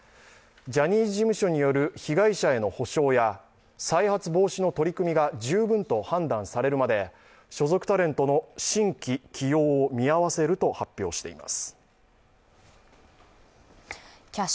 ジャニーズ事務所による被害者への補償や再発防止の取り組みが十分と判断されるまで所属タレントの新規起用を見合わせると発表しています。